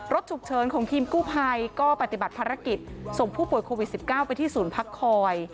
ฉุกเฉินของทีมกู้ภัยก็ปฏิบัติภารกิจส่งผู้ป่วยโควิด๑๙ไปที่ศูนย์พักคอย